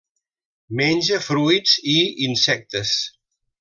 Menja fruits i insectes.